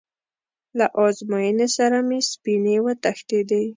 له ازموینې سره مې سپینې وتښتېدې.